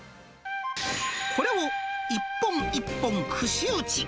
これを一本一本串打ち。